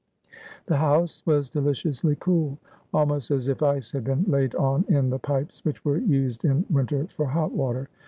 The house was deliciously cool, almost as if ice had been laid on in the pipes which were used in winter for hot water.